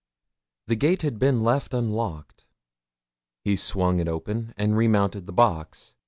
The gate had been left unlocked he swung it open, and remounted the box.